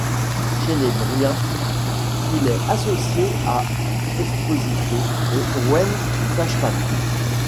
Chez les Bruins, il est associé à Esposito et Wayne Cashman.